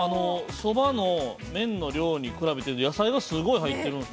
◆そばの麺の量に比べて野菜がすごい入っているんです。